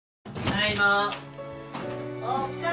・ただいま。